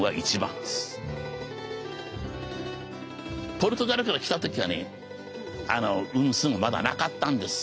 ポルトガルから来た時はね「ウン」「スン」はまだなかったんです。